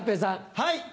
はい。